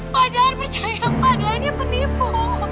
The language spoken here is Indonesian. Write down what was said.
pak jangan percaya padanya penipu